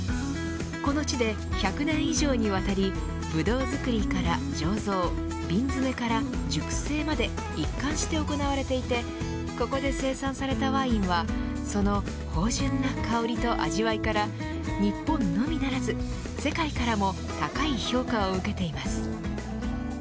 この地で、１００年以上にわたりブドウ作りから醸造瓶詰から熟成まで一貫して行われていてここで生産されたワインはその芳醇な香りと味わいから日本のみならず世界からも高い評価を受けています。